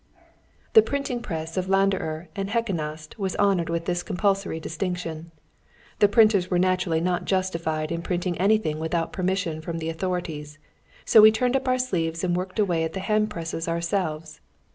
The printing press of Landerer and Heckenast was honoured with this compulsory distinction. The printers were naturally not justified in printing anything without permission from the authorities, so we turned up our sleeves and worked away at the hand presses ourselves.